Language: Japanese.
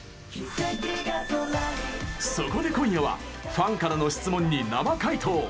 そこで今夜はファンからの質問に生回答。